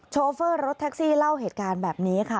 โฟเฟอร์รถแท็กซี่เล่าเหตุการณ์แบบนี้ค่ะ